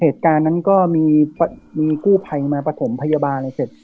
เหตุการณ์นั้นก็มีกู้ภัยมาประถมพยาบาลอะไรเสร็จ